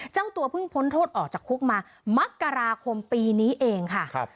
เจ้าตัวเพิ่งพ้นโทษออกจากคุกมามักกราคมปีนี้เองค่ะ